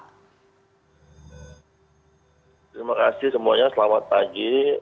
terima kasih semuanya selamat pagi